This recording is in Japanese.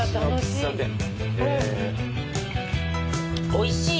おいしい。